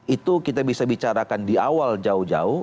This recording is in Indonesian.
itu kita bisa bicarakan di awal jauh jauh